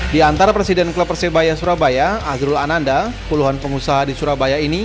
di antara presiden klub persebaya surabaya azrul ananda puluhan pengusaha di surabaya ini